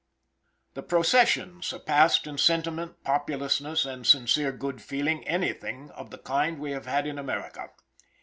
The procession surpassed in sentiment, populousness, and sincere good feeling, anything of the kind we have had in America.